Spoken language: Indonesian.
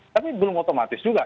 tapi belum otomatis juga